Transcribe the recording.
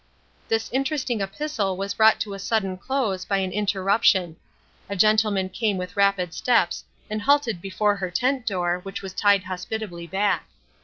This interesting epistle was brought to a sudden close by an interruption. A gentleman came with rapid steps, and halted before her tent door, which was tied hospitably back.